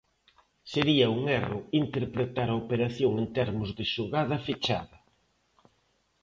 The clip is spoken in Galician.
Sería un erro interpretar a operación en termos de xogada fechada.